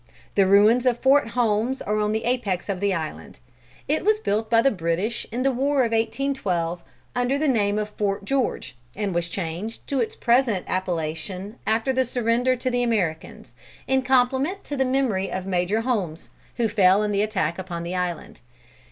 The ruins of Fort Holmes are on the apex of the island. It was built by the British in the war of 1812, under the name of Fort George, and was changed to its present appellation after the surrender to the Americans, in compliment to the memory of Major Holmes, who fell in the attack upon the island.